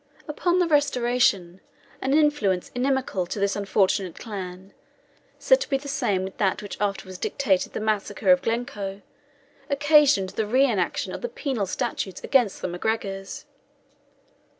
Upon the Restoration, an influence inimical to this unfortunate clan, said to be the same with that which afterwards dictated the massacre of Glencoe, occasioned the re enaction of the penal statutes against the MacGregors.